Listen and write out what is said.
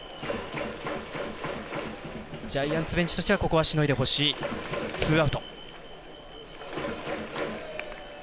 ジャイアンツベンチとしてはしのいでほしい、ツーアウト。